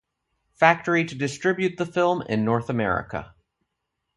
Factory to distribute the film in North America.